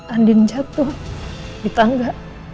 andin jatuh di tangga